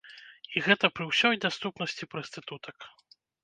І гэта пры ўсёй даступнасці прастытутак.